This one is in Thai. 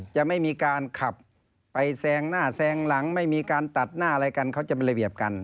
จะไม่มีการขับไปแซงหน้าแซงหลังไม่มีการตัดหน้าอะไรกันเขาจะเป็นระเบียบกัน